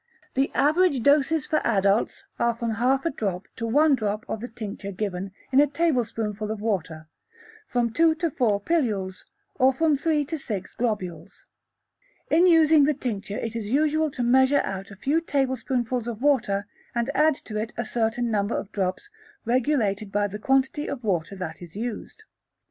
The average doses for adults are from half a drop to one drop of the tincture given in a tablespoonful of water, from two to four pilules, or from three to six globules. In using the tincture it is usual to measure out a few tablespoonfuls of water and to add to it a certain number of drops regulated by the quantity of water that is used.